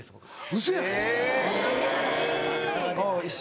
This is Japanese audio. ウソやん。